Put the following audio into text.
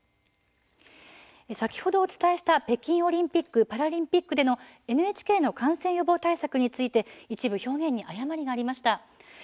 先ほどお伝えした北京オリンピック・パラリンピックでのＮＨＫの感染予防対策について一部表現に誤りがありました。